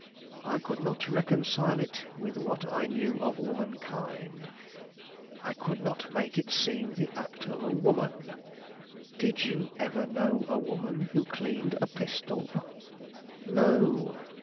I could not reconcile it with what I knew of womankind. I could not make it seem the act of a woman. Did you ever know a woman who cleaned a pistol? No.